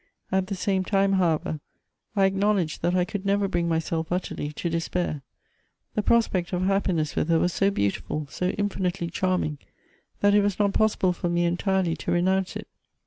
At the same time, however, I acknowledge that I could never bring myself utterly to despair. The prospect of happiness with her was so beautiful, so infinitely charming, that it was not possible for me entirely to renounce it.